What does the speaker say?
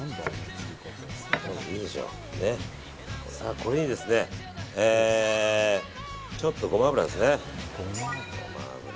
これにですねちょっとゴマ油ですね。